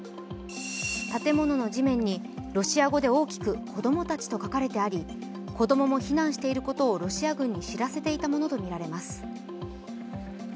建物の地面にロシア語で大きく「子供たち」と書かれており子供も避難していることをロシア軍に知らせていたものとみられます。